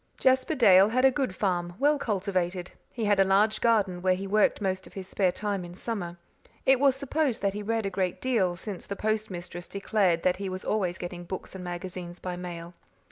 Jasper Dale had a good farm, well cultivated; he had a large garden where he worked most of his spare time in summer; it was supposed that he read a great deal, since the postmistress declared that he was always getting books and magazines by mail.